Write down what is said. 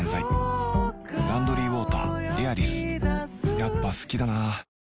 やっぱ好きだな